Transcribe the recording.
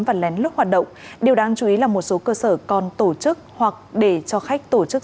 và lén lút hoạt động điều đáng chú ý là một số cơ sở còn tổ chức hoặc để cho khách tổ chức